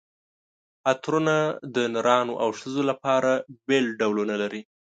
عطرونه د نرانو او ښځو لپاره بېل ډولونه لري.